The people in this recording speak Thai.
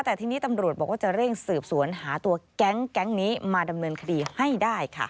แต่ทีนี้ตำรวจบอกว่าจะเร่งสืบสวนหาตัวแก๊งนี้มาดำเนินคดีให้ได้ค่ะ